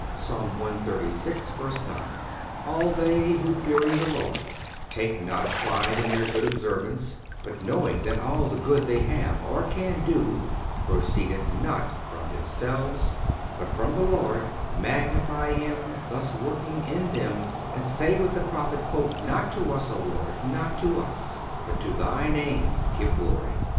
1212Ps. cxxxvi. 9. All they who fearing the Lord, take not pride in their good observance, but knowing that all the good they have, or can do, proceedeth not from themselves, but from the Lord, magnify Him, thus working in them, and say with the Prophet: "Not to us O Lord, not to us, but to Thy Name give glory."